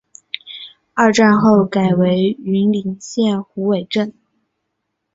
二战后改为云林县虎尾镇。